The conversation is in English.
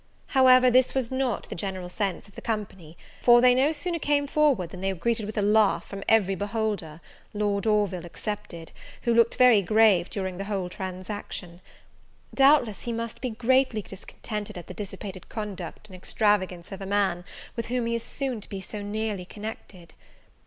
However, this was not the general sense of the company; for they no sooner came forward, than they were greeted with a laugh from every beholder, Lord Orville excepted, who looked very grave during the whole transaction. Doubtless he must be greatly discontented at the dissipated conduct and extravagance of a man, with whom he is soon to be so nearly connected.